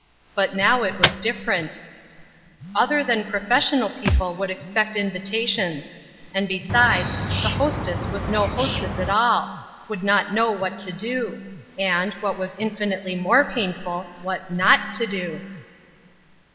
But now it was different other than professional people would expect in vitations ; and besides, the hostess was no hostess at aU — would not know what to do — and, what was infinitely more painful, what not to do.